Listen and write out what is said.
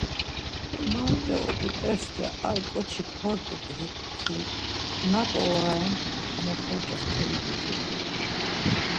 Marte oput̆esti ar ǩoçi kort̆u ki, naǩo ora ren ham oxorcas toli gyudzit̆u.